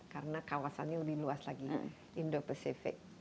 karena kawasannya lebih luas lagi indo pacific